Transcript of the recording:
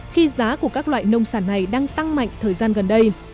khi giá của các loại nông sản này đang tăng mạnh thời gian gần đây